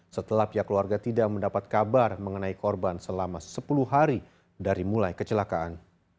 setelah pihak keluarga tidak mendapat kabar mengenai korban selama sepuluh hari dari mulai kecelakaan